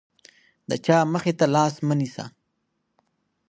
د چا مخې ته لاس مه نیسه.